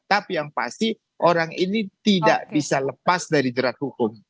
tapi yang pasti orang ini tidak bisa lepas dari jerat hukum